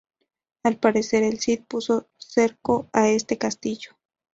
Al parecer el Cid puso cerco a este castillo.